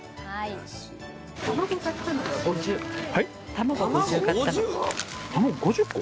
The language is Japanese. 卵５０個？